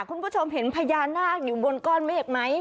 คุณผู้ชมเห็นพญานาคอยู่บนก้อนเมฆไหม